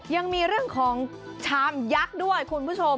ยังมีเรื่องของชามยักษ์ด้วยคุณผู้ชม